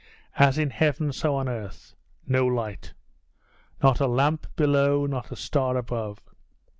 As in heaven, so on earth no light. Not a lamp below, not a star above.